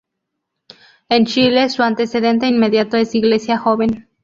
En Chile su antecedente inmediato es Iglesia Joven.